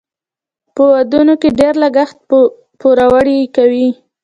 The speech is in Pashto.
په ودونو کې ډیر لګښت پوروړي کوي.